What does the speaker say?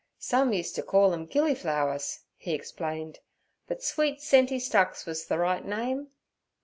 Some used t' call 'em gilly flowers' he explained, 'but sweet scenty stocks wuz the right name.